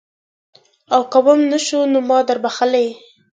او که وم نه شو نو ما دربخلي.